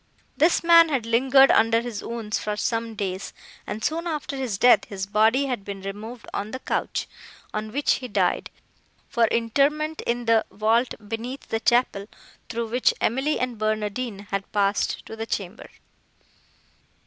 This man had lingered under his wounds for some days; and, soon after his death, his body had been removed on the couch, on which he died, for interment in the vault beneath the chapel, through which Emily and Barnardine had passed to the chamber.